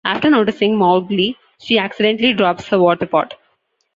After noticing Mowgli, she "accidentally" drops her water pot.